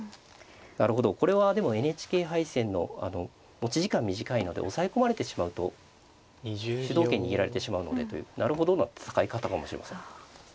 なるほどこれはでもＮＨＫ杯戦の持ち時間短いので押さえ込まれてしまうと主導権握られてしまうのでというなるほどの戦い方かもしれません。